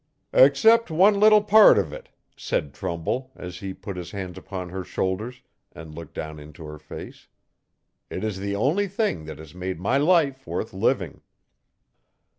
'Except one little part if it,' said Trumbull, as he put his hands upon her shoulders, and looked down into her face. 'It is the only thing that has made my life worth living.'